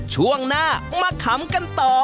ช่วงหน้ามาขำกันต่อ